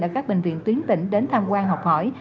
ở các bệnh viện tuyến tỉnh đến tham quan học hỏi